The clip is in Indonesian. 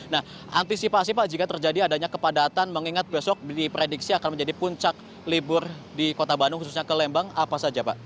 nah antisipasi pak jika terjadi adanya kepadatan mengingat besok diprediksi akan menjadi puncak libur di kota bandung khususnya ke lembang apa saja pak